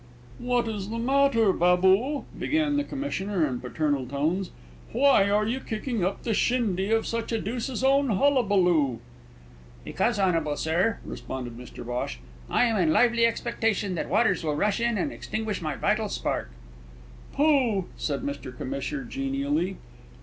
"What is the matter, Baboo?" began the Commissioner in paternal tones. "Why are you kicking up the shindy of such a deuce's own hullabaloo?" "Because, honble Sir," responded Mr Bhosh, "I am in lively expectation that waters will rush in and extinguish my vital spark." "Pooh!" said Mr Commissioner, genially.